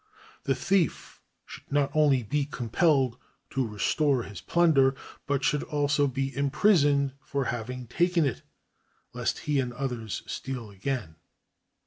The thief should not only be com pelled to restore his plunder, but should also be imprisoned for having taken it, lest he and others steal again.